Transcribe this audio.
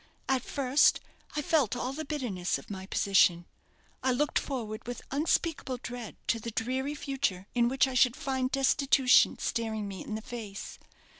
At first I felt all the bitterness of my position. I looked forward with unspeakable dread to the dreary future in which I should find destitution staring me in the face.